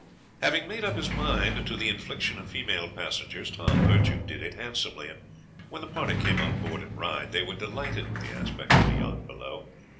Having made up his mind to the infliction of female passengers, Tom Virtue did it handsomely, and when the party came on board at Ryde they were delighted with the aspect of the yacht below.